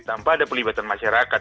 tanpa ada pelibatan masyarakat